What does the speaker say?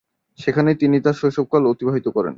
সেখানেই তিনি তার শৈশবকাল অতিবাহিত করেন।